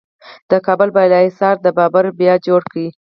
د کابل بالا حصار د بابر بیا جوړ کړ